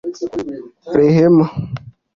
Rehema